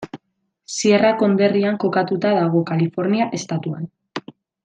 Sierra konderrian kokatuta dago, Kalifornia estatuan.